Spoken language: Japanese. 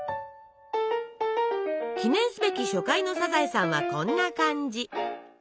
記念すべき初回の「サザエさん」はこんな感じ。